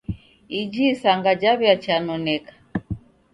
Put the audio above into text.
Iji isanga jaw'iachanoneka.